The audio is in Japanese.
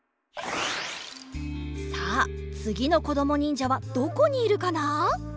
さあつぎのこどもにんじゃはどこにいるかな？